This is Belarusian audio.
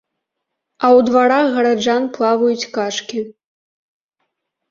А ў дварах гараджан плаваюць качкі.